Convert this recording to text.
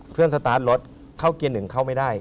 สตาร์ทรถเข้าเกียร์หนึ่งเข้าไม่ได้